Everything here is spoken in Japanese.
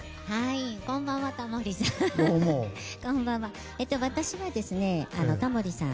こんばんは、タモリさん。